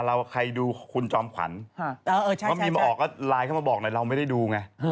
ราคาที่แจ้งเนี่ยมันไม่จริงเพราะว่างาน